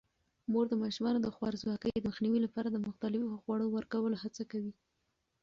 مور د ماشومانو د خوارځواکۍ د مخنیوي لپاره د مختلفو خوړو ورکولو هڅه کوي.